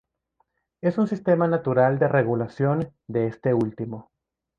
Es un sistema natural de regulación de este último.